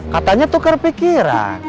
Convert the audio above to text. katanya tukar pikiran